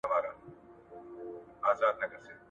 امام غزالي وایي چي څېړونکی باید په خپله پلټنه وکړي.